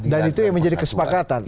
dan itu yang menjadi kesepakatan